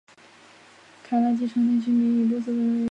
卡拉季城内居民以波斯人为主。